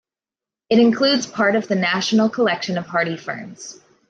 It includes part of the National Collection of hardy ferns.